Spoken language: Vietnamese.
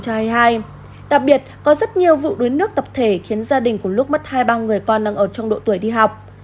đặc biệt có rất nhiều vụ đuối nước tập thể khiến gia đình của lúc mất hai ba người con đang ở trong độ tuổi đi học